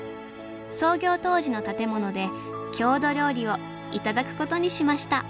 創業当時の建物で郷土料理を頂くことにしました